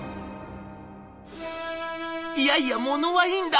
「いやいやモノはいいんだ！